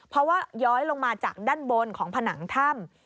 เพราะว่าย้อยลงมาจากด้านบนของผนังถ้ำ